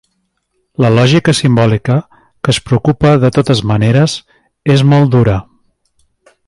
La lògica simbòlica, que es preocupa de totes maneres, és molt dura.